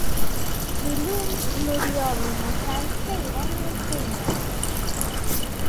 Dilluns n'Oriol i na Sança iran al cinema.